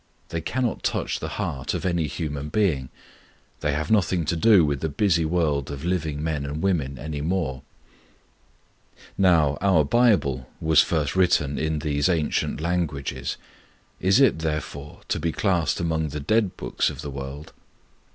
They cannot touch the heart of any human being; they have nothing to do with the busy world of living men and women any more. Now, our Bible was first written in these ancient languages: is it, therefore, to be classed among the 'dead' books of the world?